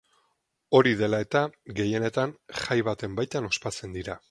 Hori dela eta, gehienetan, jai baten baitan ospatzen dira.